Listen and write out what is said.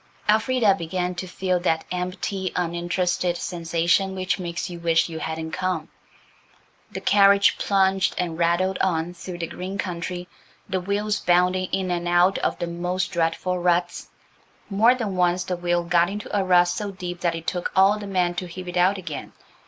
Elfrida began to feel that empty, uninterested sensation which makes you wish you hadn't come. The carriage plunged and rattled on through the green country, the wheels bounding in and out of the most dreadful ruts. More than once the wheel got into a rut so deep that it took all the men to heave it out again.